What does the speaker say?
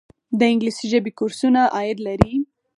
د انګلیسي ژبې کورسونه عاید لري؟